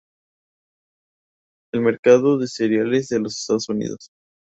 El mercado de cereales de los estados unidos.